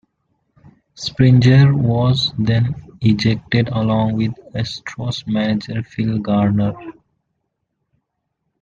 Springer was then ejected along with Astros manager Phil Garner.